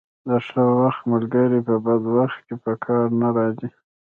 د ښه وخت ملګري په بد وخت کې په کار نه راځي.